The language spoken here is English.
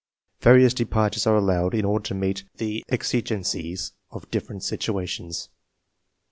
Various de partures are allowed in order to meet the exigencies of different situations.